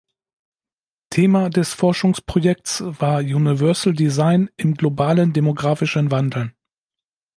Thema des Forschungsprojekts war „Universal Design im globalen demografischen Wandel“.